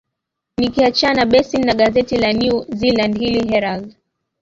nikiachana basin na gazeti la new zealand hili herald